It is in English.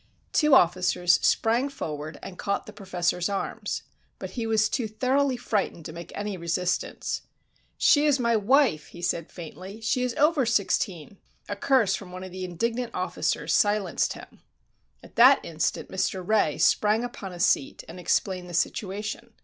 Two officers sprang forward and caught the professor's arms, but he was too thoroughly frightened to make any resistance. "She is my wife," he said faintly; "she is over sixteen!" A curse from one of the indignant officers silenced him. At that instant Mr. Ray sprang upon a seat and explained the situation.